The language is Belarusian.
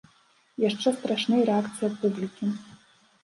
Яшчэ страшней рэакцыя публікі.